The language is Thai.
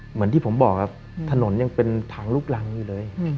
เหมือนที่ผมบอกครับถนนยังเป็นทางลูกรังอยู่เลย